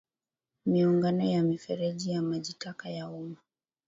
Miungano ya mifereji ya maji taka ya umma